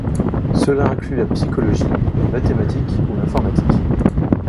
Cela inclut la psychologie, les mathématiques ou l'informatique.